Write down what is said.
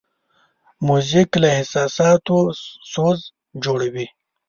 موزیک له احساساتو سوز جوړوي.